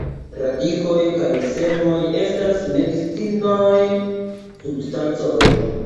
Radikoj kaj semoj estas medicinaj substancoj.